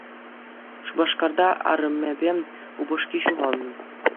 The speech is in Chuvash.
Шупашкарта арӑмӗпе упӑшки ҫухалнӑ.